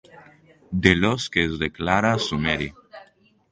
De l'ós que es declara sumeri.